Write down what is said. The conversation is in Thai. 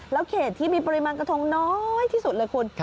เขตที่มีปริมาณกระทงน้อยที่สุดเลยคุณ